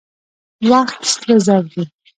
وخت سره زر دي.